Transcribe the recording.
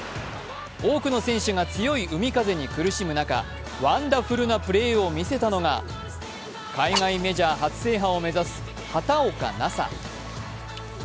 多くの選手が強い海風に苦しむ中ワンダフルなプレーを見せたのが海外メジャー初制覇を目指す畑岡奈紗。